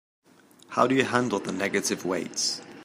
How do you handle the negative weights?